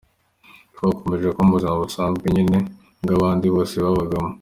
Twakomeje kuba mu buzima busanzwe nyine nk’ubw’abandi bose babagamo.